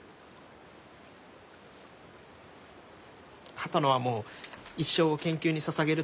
波多野はもう一生を研究にささげると決めてる。